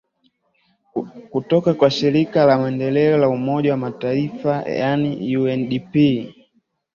kutoka kwa shirika la maendeleo la umoja mataifa yaani undp